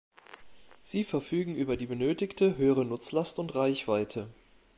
Sie verfügen über die benötigte höhere Nutzlast und Reichweite.